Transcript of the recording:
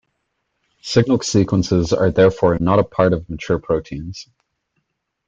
Signal sequences are therefore not a part of mature proteins.